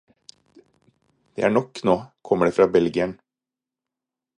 Det er nok nå, kommer det fra belgieren.